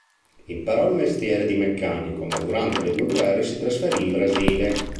Imparò il mestiere di meccanico, ma durante le due guerre si trasferì in Brasile.